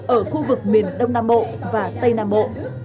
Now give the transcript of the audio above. ở khu vực miền đông nam bộ và tây nam bộ